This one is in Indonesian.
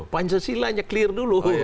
pancasila hanya clear dulu